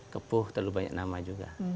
kepuh terlalu banyak nama juga